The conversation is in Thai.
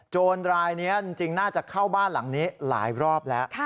รายนี้จริงน่าจะเข้าบ้านหลังนี้หลายรอบแล้ว